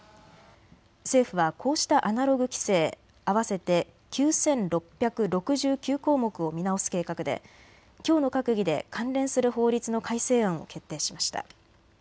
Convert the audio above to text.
政府はこうしたアナログ規制合わせて９６６９項目を見直す計画できょうの閣議で関連する法律の改正案を決定しました。